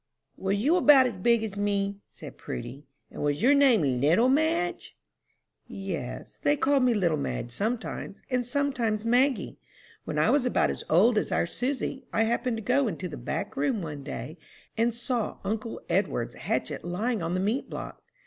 "Was you about as big as me?" said Prudy, "and was your name little Madge?" "Yes, they called me little Madge sometimes, and sometimes Maggie. When I was about as old as our Susy, I happened to go into the back room one day, and saw uncle Edward's hatchet lying on the meat block.